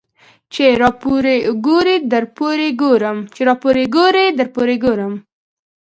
ـ چې راپورې ګورې درپورې ګورم.